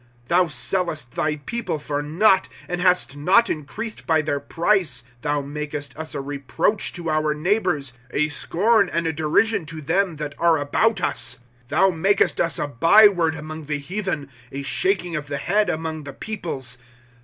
^^ Thou sellest thy people for naught, And hast not increased by their price. 1* Thou makest us a reproach to our neighbors, A scorn and a derision to them that are about us. ./Google PSALMS. ^* Thou makest ua a by word among the heathen, A shaking of the head among the peoples.